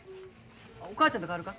お母ちゃんと代わるか？